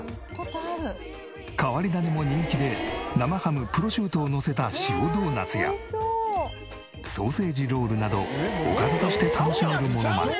変わり種も人気で生ハムプロシュートをのせた塩ドーナツやソーセージロールなどおかずとして楽しめるものまで。